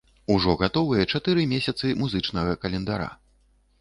Ужо гатовыя чатыры месяцы музычнага календара.